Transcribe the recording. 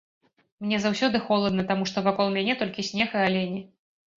Мне заўсёды холадна, таму што вакол мяне толькі снег і алені.